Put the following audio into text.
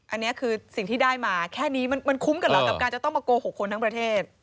อันนี้คือสิ่งที่ได้มาแค่นี้มันคุ้มกันเหรอกับการจะต้องมาโกหกคนทั้งประเทศ